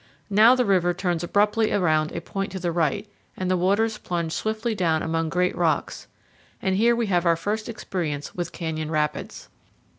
Now the river turns abruptly around a point to the right, and the waters plunge swiftly down among great rocks; and here we have our first experience with canyon rapids.